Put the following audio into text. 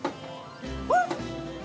あっ！